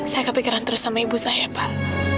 saya kepikiran terus sama ibu saya pak